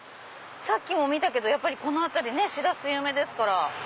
さっきも見たけどやっぱりこの辺りシラス有名ですから。